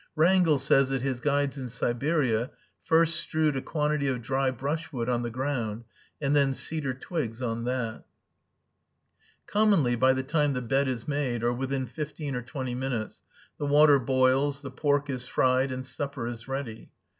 Wrangel says that his guides in Siberia first strewed a quantity of dry brushwood on the ground, and then cedar twigs on that. Commonly, by the time the bed is made, or within fifteen or twenty minutes, the water boils, the pork is fried, and supper is ready.